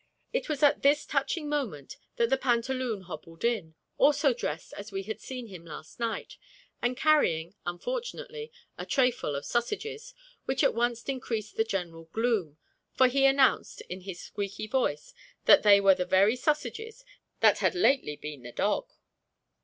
It was at this touching moment that the pantaloon hobbled in, also dressed as we had seen him last, and carrying, unfortunately, a trayful of sausages, which at once increased the general gloom, for he announced, in his squeaky voice, that they were the very sausages that had lately been the dog.